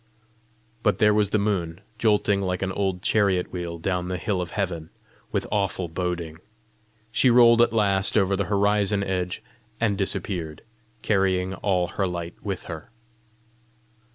But there was the moon jolting like an old chariot wheel down the hill of heaven, with awful boding! She rolled at last over the horizon edge and disappeared, carrying all her light with her.